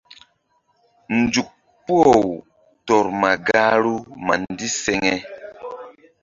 Nzuk puh-aw tɔr ma gahru ma ndiseŋe.